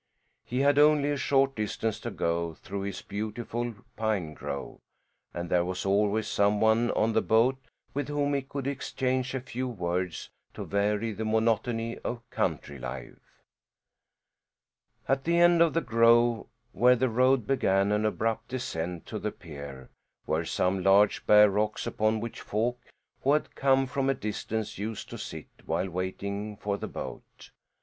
He had only a short distance to go, through his beautiful pine grove, and there was always some one on the boat with whom he could exchange a few words to vary the monotony of country life. At the end of the grove, where the road began an abrupt descent to the pier, were some large bare rocks upon which folk who had come from a distance used to sit while waiting for the boat.